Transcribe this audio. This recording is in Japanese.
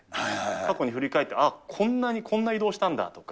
過去に振り返って、あっ、こんなにこんな移動したんだとか。